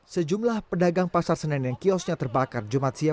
sejumlah pedagang pasar senen yang kiosnya terbakar jumat siang